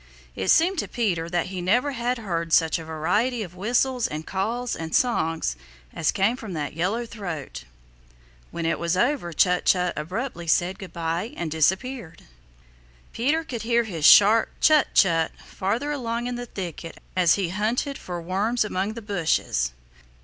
It seemed to Peter that he never had heard such a variety of whistles and calls and songs as came from that yellow throat. When it was over Chut Chut abruptly said good by and disappeared. Peter could hear his sharp "Chut! Chut!" farther along in the thicket as he hunted for worms among the bushes.